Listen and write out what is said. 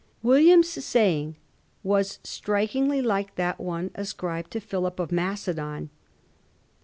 William's saying was strik ingly like that one ascribed to Philip of Macedon.